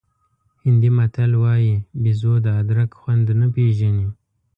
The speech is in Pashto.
هندي متل وایي بېزو د ادرک خوند نه پېژني.